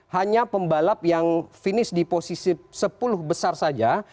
hanya pembalap yang finish di posisi sepuluh besar saja